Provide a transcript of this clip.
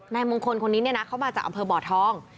นายมงคลคนนี้เนี่ยนะเขามาจากอำเภอบ่อทอง